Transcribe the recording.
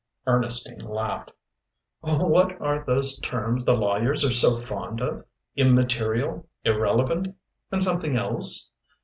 Ernestine laughed. "What are those terms the lawyers are so fond of immaterial, irrelevant, and something else?